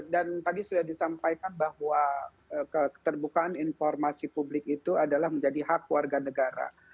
dan tadi sudah disampaikan bahwa keterbukaan informasi publik itu adalah menjadi hak warga negara